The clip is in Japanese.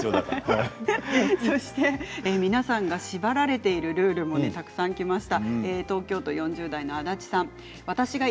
皆さんが縛られているルールもたくさん来ました。